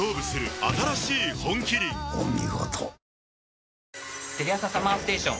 お見事。